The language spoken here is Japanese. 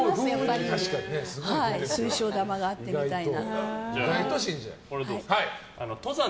水晶玉があって、みたいな。